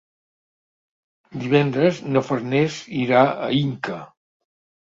Divendres na Farners irà a Inca.